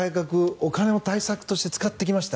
お金を対策として使ってきました。